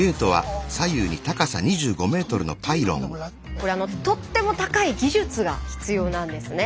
これとっても高い技術が必要なんですね。